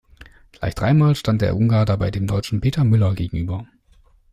Gleich dreimal stand der Ungar dabei dem Deutschen Peter Müller gegenüber.